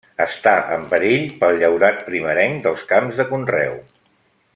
Està en perill pel llaurat primerenc dels camps de conreu.